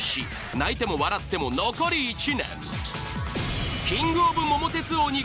泣いても笑っても残り１年。